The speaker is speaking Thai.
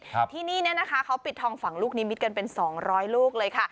ครับที่นี่เนี้ยนะคะเขาปิดทองฝั่งลูกนิมิตกันเป็นสองร้อยลูกเลยค่ะ